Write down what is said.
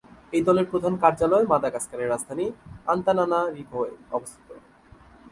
এই দলের প্রধান কার্যালয় মাদাগাস্কারের রাজধানী আন্তানানারিভোয় অবস্থিত।